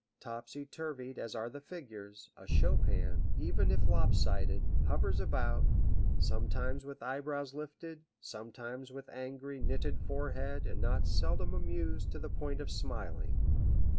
Topsy turvied as are the figures, a Chopin, even if lop sided, hovers about, sometimes with eye brows uplifted, sometimes with angry, knitted forehead and not seldom amused to the point of smiling.